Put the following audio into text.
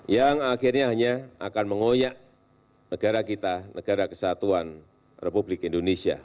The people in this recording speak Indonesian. yang akhirnya hanya akan mengoyak negara kita negara kesatuan republik indonesia